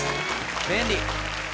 便利！